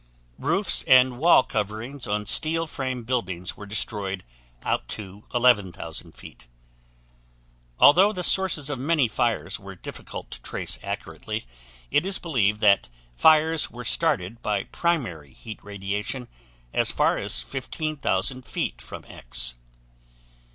Roofs and wall coverings on steel frame buildings were destroyed out to 11,000 feet. Although the sources of many fires were difficult to trace accurately, it is believed that fires were started by primary heat radiation as far as 15,000 feet from X.